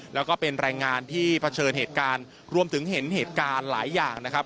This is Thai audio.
แล้วก็เป็นแรงงานที่เผชิญเหตุการณ์รวมถึงเห็นเหตุการณ์หลายอย่างนะครับ